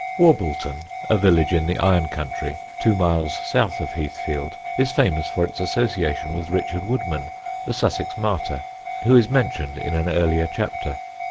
Warbleton, a village in the iron country, two miles south of Heathfield, is famous for its association with Richard Woodman, the Sussex martyr, who is mentioned in an earlier chapter.